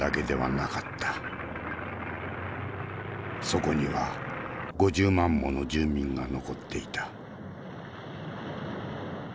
そこには５０万もの住民が残っていた。